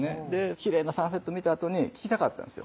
きれいなサンセット見たあとに聞きたかったんですよ